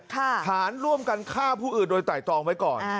ฐานร่วมกันฆ่าผู้อื่นโดยไตรตรองไว้ก่อน